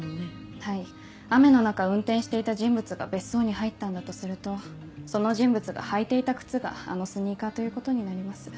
はい雨の中運転していた人物が別荘に入ったんだとするとその人物が履いていた靴があのスニーカーということになります。